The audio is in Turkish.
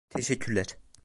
Teşekkürler.